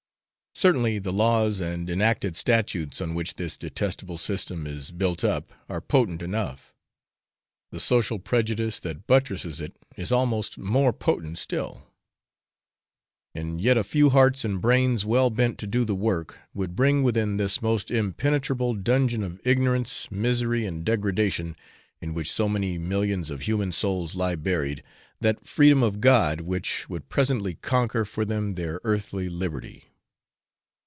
Certainly the laws and enacted statutes on which this detestable system is built up are potent enough; the social prejudice that buttresses it is almost more potent still; and yet a few hearts and brains well bent to do the work, would bring within this almost impenetrable dungeon of ignorance, misery, and degradation, in which so many millions of human souls lie buried, that freedom of God which would presently conquer for them their earthly liberty.